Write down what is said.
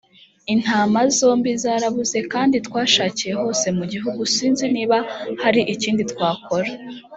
intama zombi zarabuze kandi twashakiye hose mugihugu sinzi niba hari ikindi twakora